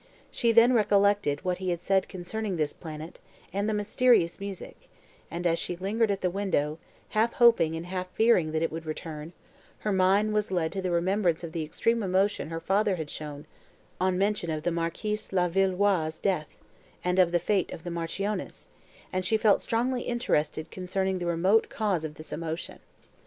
She then recollected what he had said concerning this planet, and the mysterious music; and, as she lingered at the window, half hoping and half fearing that it would return, her mind was led to the remembrance of the extreme emotion her father had shown on mention of the Marquis La Villeroi's death, and of the fate of the Marchioness, and she felt strongly interested concerning the remote cause of this emotion.